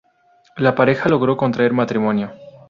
La pareja logró contraer matrimonio.